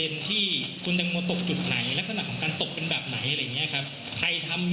นะครับอยากเเช่า